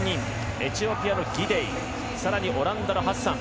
エチオピアのギデイ更にオランダのハッサン。